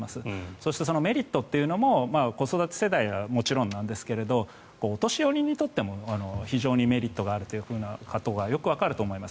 そして、そのメリットというのも子育て世代はもちろんですがお年寄りにとっても非常にメリットがあるということがよくわかると思います。